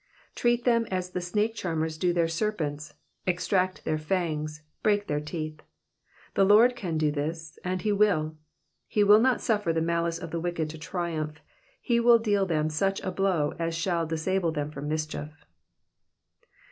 Treat them as the snake charmers do their serpents, extract their fangs, break their teeth. The Lord can do this, and he will. He will not suffer the malice of the wicked to triumph, he will deal them such a blow as shall disable them from mischief.